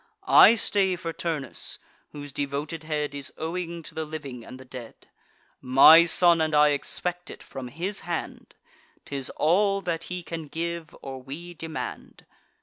I stay for Turnus, whose devoted head Is owing to the living and the dead. My son and I expect it from his hand; 'Tis all that he can give, or we demand.